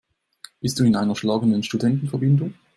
Bist du in einer schlagenden Studentenverbindung?